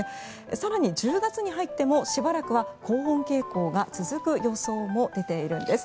更に１０月に入ってもしばらくは高温傾向が続く予想が出ているんです。